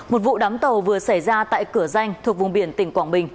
một vụ đám tàu vừa xảy ra tại cửa danh thuộc vùng biển tỉnh quảng bình